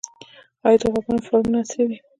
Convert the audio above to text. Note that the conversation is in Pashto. آیا د غواګانو فارمونه عصري دي؟